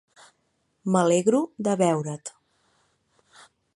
M'alegro de veure't.